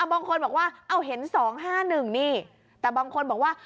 เอาบางคนบอกว่าเอาเห็นสองห้าหนึ่งนี่แต่บางคนบอกว่า